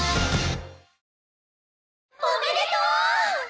おめでとう！